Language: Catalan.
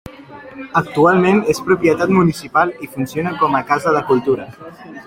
Actualment és propietat municipal i funciona com a Casa de Cultura.